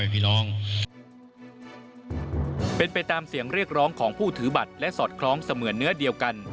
เป็นไปตามเสียงเรียกร้องของผู้ถือบัตรและสอดคล้องเสมือนเนื้อเดียวกัน